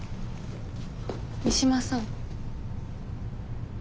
三島さん。